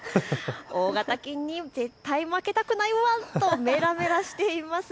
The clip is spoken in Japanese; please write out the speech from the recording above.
大型犬に絶対負けたくないワンとめらめらしています。